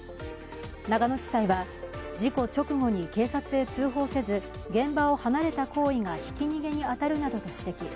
長野地裁は事故直後に警察へ通報せず現場を離れた行為がひき逃げに当たるなどと指摘。